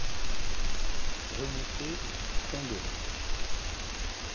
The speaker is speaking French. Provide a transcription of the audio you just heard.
remonter en soufflant de l’air.